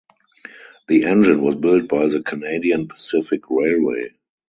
The engine was built by the Canadian Pacific Railway.